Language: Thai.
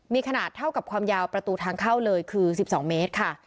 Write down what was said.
มีขนาดเท่ากับความยาวประตูทางเข้าเลยคือ๑๒เมตรค่ะ